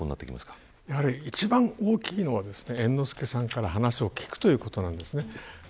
やはり一番大きいのは猿之助さんから話を聞くというところです。